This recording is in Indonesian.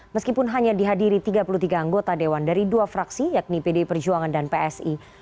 meskipun hanya dihadiri tiga puluh tiga anggota dewan dari dua fraksi yakni pdi perjuangan dan psi